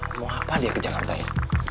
mau apa dia ke jakarta ya